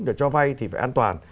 để cho vay thì phải an toàn